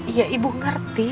iya ibu ngerti